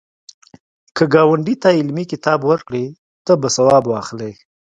که ګاونډي ته علمي کتاب ورکړې، ته به ثواب واخلی